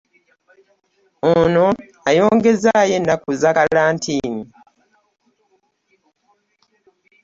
Ono ayongezzaayo ennaku za kkalantiini.